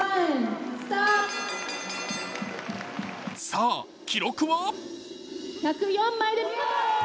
さぁ、記録は？